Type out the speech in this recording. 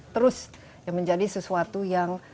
terus menjadi sesuatu yang